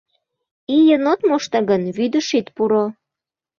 — Ийын от мошто гын, вӱдыш ит пуро!